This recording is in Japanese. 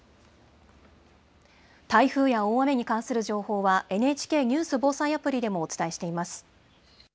台風や大雨に関する情報は、ＮＨＫニュース・防災アプリでもお伝えしています。